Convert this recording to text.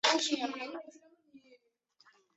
帕金是一个位于美国阿肯色州克罗斯县的城市。